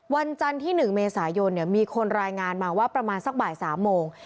วันจันทร์ที่๑เมษายนมีคนรายงานมาว่าประมาณสักบ่าย๓โมง